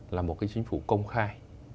là một cái chính phủ công khai